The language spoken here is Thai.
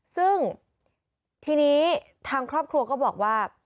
ซึ่งทีนี้ทางครอบครัวก็บอกว่า